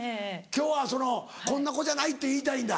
今日は「こんな子じゃない」って言いたいんだ。